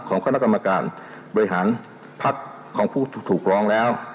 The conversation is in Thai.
คณะกรรมการบริหารพักของผู้ถูกร้องแล้ว